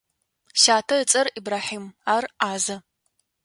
Сятэ ыцӏэр Ибрахьим, ар ӏазэ.